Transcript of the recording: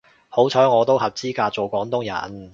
好彩我都合資格做廣東人